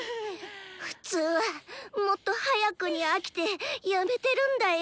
普通はもっと早くに飽きてやめてるんだよ。